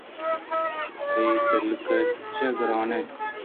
تئی درگیجگ گرٛان اِنت